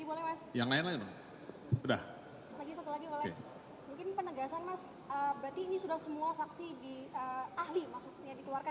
mungkin penegasan mas berarti ini sudah semua saksi di ahli maksudnya dikeluarkan begitu ya